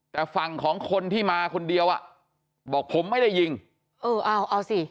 แต่ฝั่งของคนที่มาคนเดียวอ่ะบอกผมไม่ได้ยิงเออเอาเอาสิ